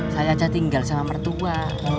saya aja tinggal sama mertua